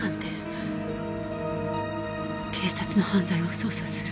警察の犯罪を捜査する。